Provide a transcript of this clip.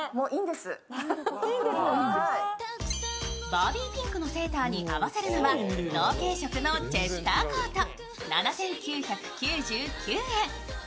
バービーピンクのセーターに合わせるのは同系色のチェスターコート、７９９９円。